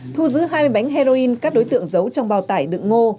thu giữ hai bánh heroin các đối tượng giấu trong bào tải đựng ngô